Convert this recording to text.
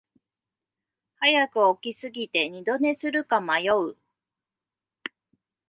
早く起きすぎて二度寝するか迷う